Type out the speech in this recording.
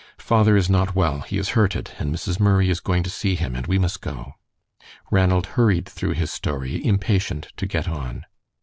"Father is not well. He is hurted, and Mrs. Murray is going to see him, and we must go." Ranald hurried through his story, impatient to get on.